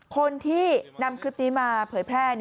คนที่นำคลิปนี้มาเผยแพร่